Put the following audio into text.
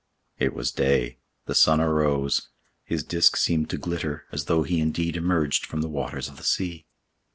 It was day—the sun arose—his disc seemed to glitter as though he indeed emerged from the waters of the sea.